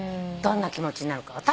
どんな気持ちになるか。